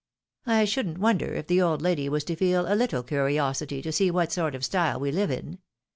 I shouldn't wonder if the old lady was to feel a little curiosity to see what sort of style we live in.